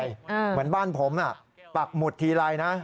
เหมือนบ้านผมปักหมุดทีไรนะ